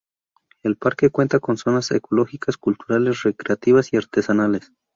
El parque cuenta con zonas ecológicas, culturales, recreativas y artesanales.